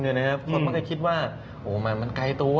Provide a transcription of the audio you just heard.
คนบ้างก็คิดว่าโอ้โหมันมันไกลตัว